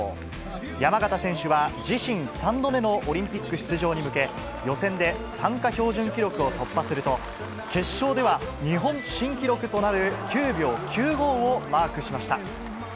山縣選手は、自身３度目のオリンピック出場に向け、予選で参加標準記録を突破すると、決勝では、日本新記録となる９秒９５をマークしました。